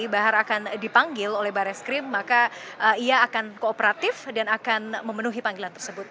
barreskrim maka ia akan kooperatif dan akan memenuhi panggilan tersebut